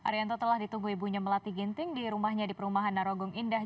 arianto telah ditunggu ibunya melati ginting di rumahnya di perumahan narogong indah